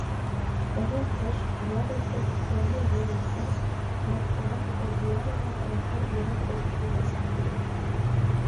Оҙон ҡыш, яҙ үтеп, йәмле йәй еткәс, Мәрфуға Ҡолһөйәрова райондар буйлап гастролгә сыҡты.